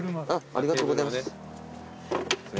ありがとうございます。